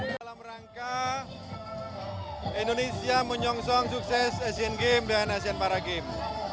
dalam rangka indonesia menyongsong sukses asian games dan asean para games